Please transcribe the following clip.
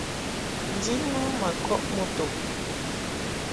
N-din mɨ ma kɔʼ moto.